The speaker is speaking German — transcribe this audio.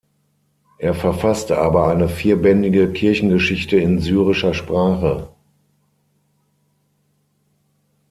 Er verfasste aber eine vierbändige Kirchengeschichte in syrischer Sprache.